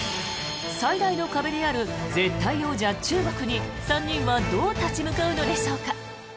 最大の壁である絶対王者・中国に３人はどう立ち向かうのでしょうか。